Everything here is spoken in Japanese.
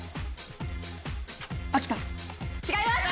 違います。